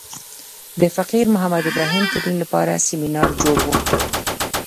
د فقیر محمد ابراهیم تلین لپاره سمینار جوړ و.